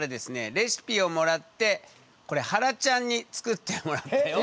レシピをもらってこれはらちゃんに作ってもらったよ。